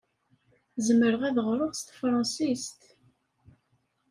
Zemreɣ ad ɣreɣ s tefṛensist.